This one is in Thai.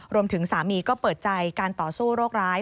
รวมถึงสามีก็เปิดใจการต่อสู้โรคร้าย